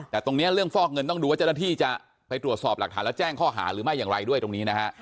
แต่ตรงนี้เรื่องฟอกเงินต้องดูว่าเจ้าหน้าที่จะไปตรวจสอบหลักฐานแล้วแจ้งข้อหาหรือไม่อย่างไรด้วยตรงนี้นะฮะ